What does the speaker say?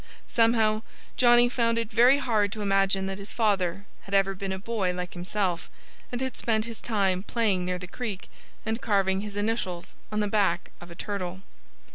Somehow, Johnnie found it very hard to imagine that his father had ever been a boy like himself and had spent his time playing near the creek, and carving his initials on the back of a turtle.